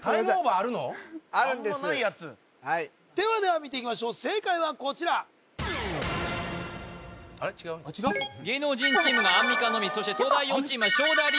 あるんですではでは見ていきましょう正解はこちら芸能人チームがアンミカのみそして東大王チームは勝田り